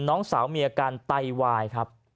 น้องสาวมีอาการไตวายครับ